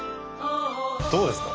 どうですか？